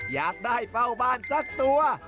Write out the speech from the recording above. อยากได้เฝ้าบ้านสักตัว